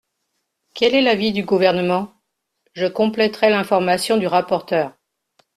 Quel est l’avis du Gouvernement ? Je compléterai l’information du rapporteur.